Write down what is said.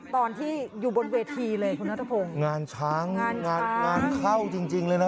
ตอนที่อยู่บนเวทีเลยคุณนัทพงศ์งานช้างงานงานงานเข้าจริงจริงเลยนะ